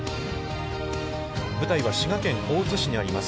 舞台は滋賀県大津市にあります